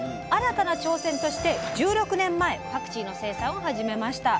新たな挑戦として１６年前パクチーの生産を始めました。